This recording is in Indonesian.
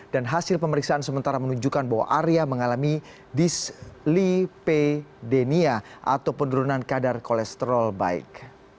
dan hasil pemeriksaan sementara menunjukkan bahwa arya mengalami dyslipedenia atau penurunan kadar kolesterol baik